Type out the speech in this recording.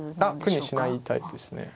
苦にしないタイプですね。